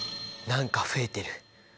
何か増えてる。